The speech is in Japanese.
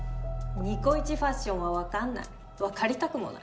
ニコイチファッションは分かんない分かりたくもない。